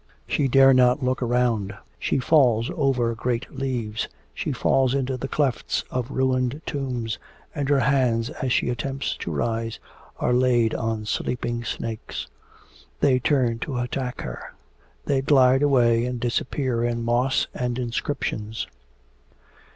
She dare not look round. She falls over great leaves. She falls into the clefts of ruined tombs, and her hands, as she attempts to rise, are laid on sleeping snakes; they turn to attack her; they glide away and disappear in moss and inscriptions.